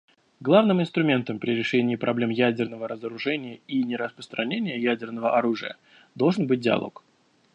Главным инструментом при решении проблем ядерного разоружения и нераспространения ядерного оружия должен быть диалог.